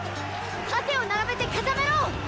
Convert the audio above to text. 盾を並べて固めろ！